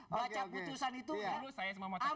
baca putusan itu